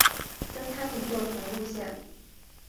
跟他们坐同路线